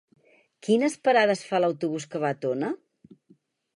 Quines parades fa l'autobús que va a Tona?